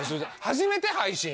始めて配信。